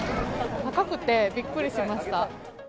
高くてびっくりしました。